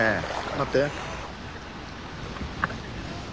待って。